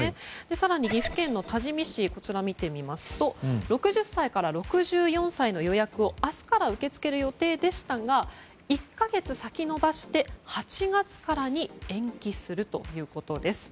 更に岐阜県多治見市を見てみますと６０歳から６４歳の予約を明日から受け付ける予定でしたが１か月先伸ばして８月からに延期するということです。